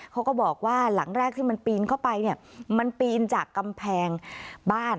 เขาก็บอกว่าหลังแรกที่มันปีนเข้าไปเนี่ยมันปีนจากกำแพงบ้าน